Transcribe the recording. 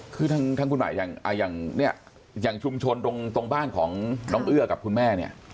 คือทั้งคุณหมายอย่างชุมชนตรงบ้านของน้องเอื้อกับคุณแม่เนี่ย